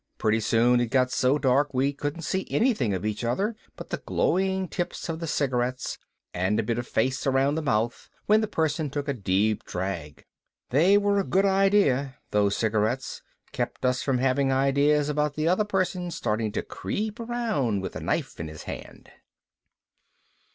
Pretty soon it got so dark we couldn't see anything of each other but the glowing tips of the cigarettes and a bit of face around the mouth when the person took a deep drag. They were a good idea, those cigarettes kept us from having ideas about the other person starting to creep around with a knife in his hand.